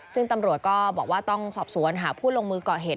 ซึ่งตำรวจก็บอกว่าต้องสอบสวนหาผู้ลงมือก่อเหตุ